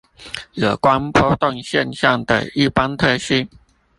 有關波動現象的一般特性